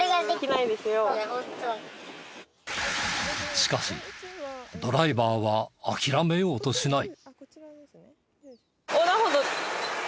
しかしドライバーは諦めようとしない。